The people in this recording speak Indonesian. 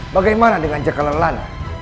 bagaimana dengan jekal lelana